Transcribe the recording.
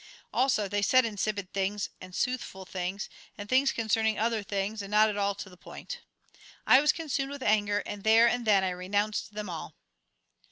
Also, they said insipid things, and soothful things, and things concerning other things, and not at all to the point. I was consumed with anger, and there and then I renounced them all.